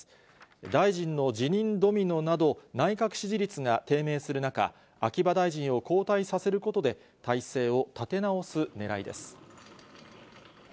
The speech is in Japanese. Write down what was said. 大臣の辞任ドミノなど、内閣支持率が低迷する中、秋葉大臣を交代させることで、体制を立て直すねらいです。